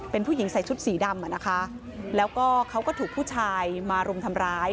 เป็นผู้หญิงใส่ชุดสีดำอ่ะนะคะแล้วก็เขาก็ถูกผู้ชายมารุมทำร้าย